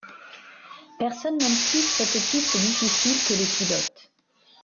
Personne n'aime plus cette piste difficile que les pilotes.